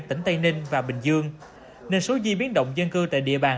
tỉnh tây ninh và bình dương nên số di biến động dân cư tại địa bàn